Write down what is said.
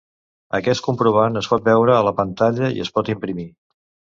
Aquest comprovant es pot veure a la pantalla i es pot imprimir.